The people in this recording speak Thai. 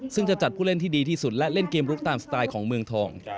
ซึ่งจะจัดผู้เล่นที่ดีที่สุดและเล่นเกมลุกตามสไตล์ของเมืองทอง